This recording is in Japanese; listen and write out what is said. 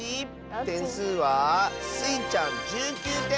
てんすうはスイちゃん１９てん！